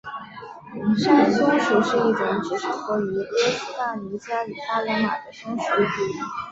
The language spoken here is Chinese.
山松鼠是一种只生活于哥斯大黎加与巴拿马的松鼠。